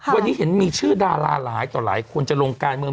วันนี้เห็นมีชื่อดาราหลายต่อหลายคนจะลงการเมือง